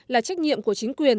là trách nhiệm của chính quyền